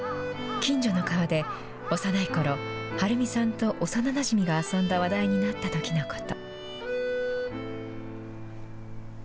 近所の川で、幼いころ、敏美さんと幼なじみが遊んだ話題になったときのこと。